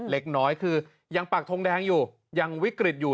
เล็กน้อยคือยังปากทงแดงอยู่ยังวิกฤตอยู่